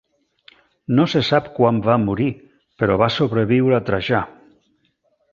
No se sap quan va morir però va sobreviure Trajà.